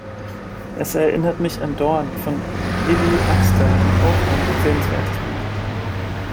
Es erinnert mich an "Dorn" von Lilly Axster, auch ein empfehlenswertes Buch.